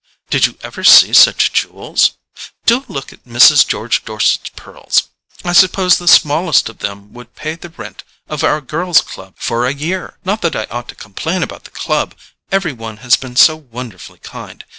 Did you ever see such jewels? Do look at Mrs. George Dorset's pearls—I suppose the smallest of them would pay the rent of our Girls' Club for a year. Not that I ought to complain about the club; every one has been so wonderfully kind.